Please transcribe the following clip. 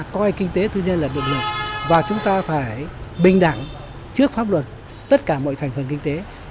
coi kinh tế tư nhân là động lực và chúng ta phải bình đẳng trước pháp luật tất cả mọi thành phần kinh tế